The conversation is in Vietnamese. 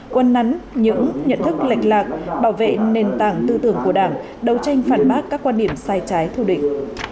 quân nắn những nhận thức lệch lạc bảo vệ nền tảng tư tưởng của đảng đấu tranh phản bác các quan điểm sai trái thù định